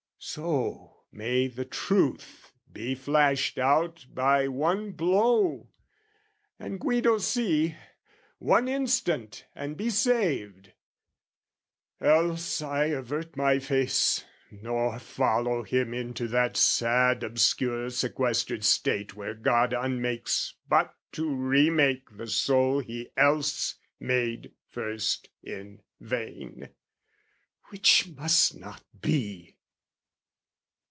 So may the truth be flashed out by one blow, And Guido see, one instant, and be saved. Else I avert my face, nor follow him Into that sad obscure sequestered state Where God unmakes but to remake the soul He else made first in vain; which must not be.